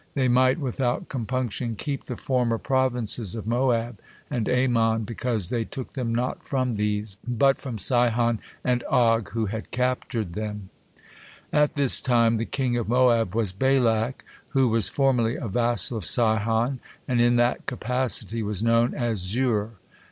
They might without compunction keep the former provinces of Moab and Ammon because they took them not from these, but from Sihon and Og, who had captured them. At this time the king of Moab was Balak, who was formerly a vassal of Sihon, and in that capacity was known as Zur.